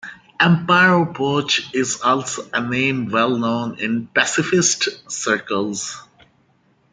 Amparo Poch is also a name well known in pacifist circles.